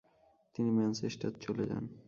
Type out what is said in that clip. তিনি ম্যানচেস্টার চলে যান।